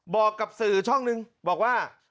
บอกกับสื่อช่องนึงบอกว่า